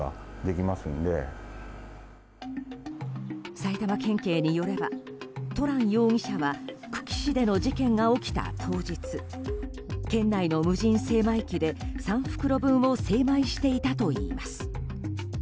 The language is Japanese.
埼玉県警によればトラン容疑者は久喜市での事件が起きた当日県内の無人精米機で３袋分を精米していたといいます。